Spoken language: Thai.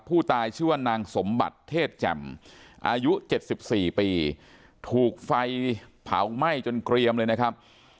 ผู้ตายชื่อว่านางสมบัติเทศแจ่มอายุ๗๔ปีถูกไฟเผาไหม้จนเกรียมเลยนะครับ